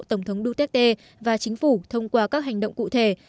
tổng thống duterte và chính phủ thông qua các hành động cụ thể